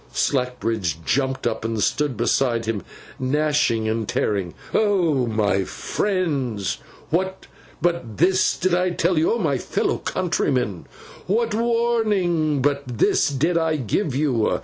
Slackbridge jumped up and stood beside him, gnashing and tearing. 'Oh, my friends, what but this did I tell you? Oh, my fellow countrymen, what warning but this did I give you?